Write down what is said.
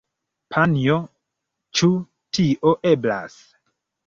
Panjo, ĉu tio eblas?